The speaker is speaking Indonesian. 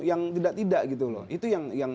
yang tidak tidak gitu loh itu yang